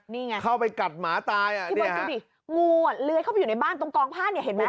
นี่ไงที่มันซุดงูเล้ยเข้าไปอยู่ในบ้านตรงกองผ้าเห็นไหม